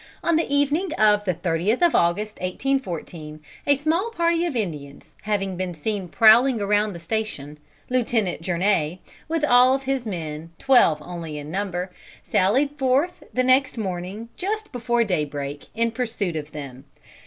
On the evening of the 30th of August, 1814, a small party of Indians having been seen prowling about the station, Lieutenant Journay, with all his men, twelve only in number, sallied forth the next morning, just before daybreak, in pursuit of them.